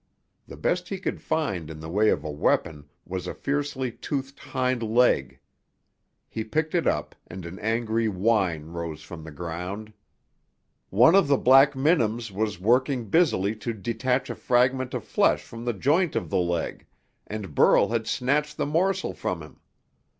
The best he could find in the way of a weapon was a fiercely toothed hind leg. He picked it up, and an angry whine rose from the ground. One of the black minims was working busily to detach a fragment of flesh from the joint of the leg, and Burl had snatched the morsel from him.